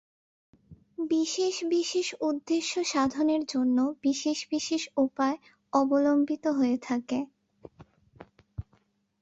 বিশেষ বিশেষ উদ্দেশ্য-সাধনের জন্যে বিশেষ বিশেষ উপায় অবলম্বিত হয়ে থাকে।